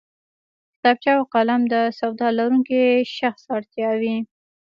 کتابچه او قلم د سواد لرونکی شخص اړتیا وي